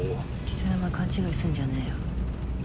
象山勘違いすんじゃねぇよ。